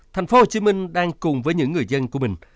thành phố hồ chí minh đang cùng với những người dân của mình